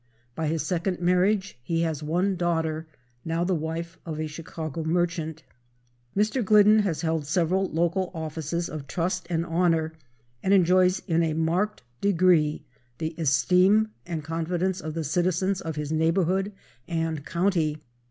By his second marriage he has one daughter, now the wife of a Chicago merchant. JOSEPH FARWELL GLIDDEN. Mr. Glidden has held several local offices of trust and honor and enjoys in a marked degree the esteem and confidence of the citizens of his neighborhood and county.